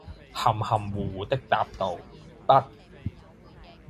含含胡胡的答道，「不……」